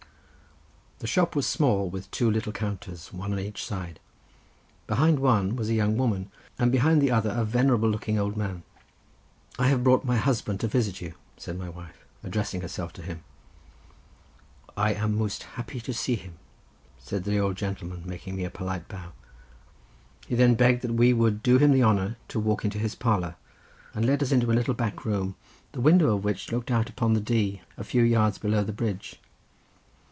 The shop was small, with two little counters, one on each side. Behind one was a young woman, and behind the other a venerable looking old man. "I have brought my husband to visit you," said my wife, addressing herself to him. "I am most happy to see him," said the old gentleman, making me a polite bow. He then begged that we would do him the honour to walk into his parlour, and led us into a little back room, the window of which looked out upon the Dee a few yards below the bridge.